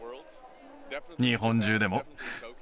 日本中でも。